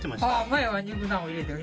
前は肉団子入れてない。